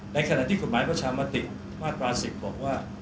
ในขณะที่กฎหมายประชามาตินั้นมากกว่าสิบบอกว่า